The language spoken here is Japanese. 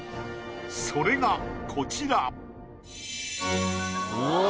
それがこちら。